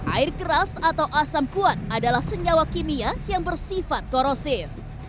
air keras atau asam kuat adalah senyawa kimia yang bersifat korosif